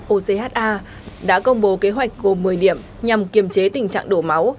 ocha đã công bố kế hoạch gồm một mươi điểm nhằm kiềm chế tình trạng đổ máu